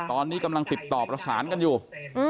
ตอนนี้กำลังติดต่อประสานกันอยู่